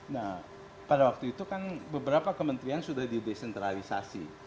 nah pada waktu itu kan beberapa kementerian sudah didesentralisasi